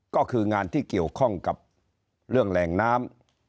ก็คืองานที่เกี่ยวข้องกับเรื่องแหล่งน้ำ